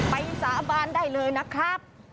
สาบานได้เลยนะครับ